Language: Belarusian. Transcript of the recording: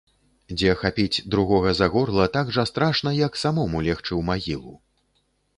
Дзе хапіць другога за горла так жа страшна, як самому легчы ў магілу.